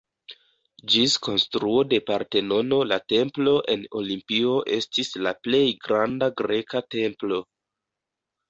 Ĝis konstruo de Partenono la templo en Olimpio estis la plej granda greka templo.